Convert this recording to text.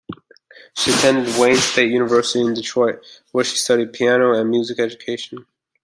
She attended Wayne State University in Detroit, where she studied piano and music education.